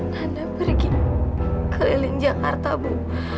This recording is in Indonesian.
handa pergi keliling jakarta bu